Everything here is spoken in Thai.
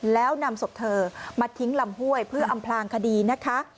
แล้วนำศพเธอมาทิ้งลำห้วยเพื่ออำพลางคดีนะคะ